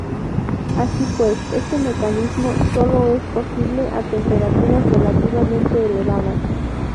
Así pues, este mecanismo sólo es posible a temperaturas relativamente elevadas.